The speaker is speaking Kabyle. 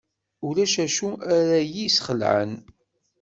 Ulac acu ara yi-sxelɛen.